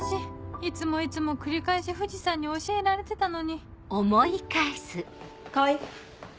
いつもいつも繰り返し藤さんに教えられてたのに